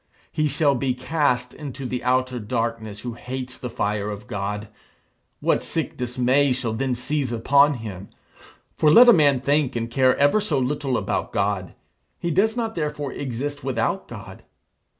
He shall be cast into the outer darkness who hates the fire of God. What sick dismay shall then seize upon him! For let a man think and care ever so little about God, he does not therefore exist without God.